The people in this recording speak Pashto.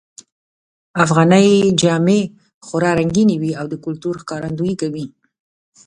افغانۍ جامې خورا رنګینی وی او د کلتور ښکارندویې کوی